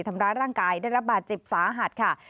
ทำร้ายร่างกายได้รับบาดเจ็บสาหัสค่ะ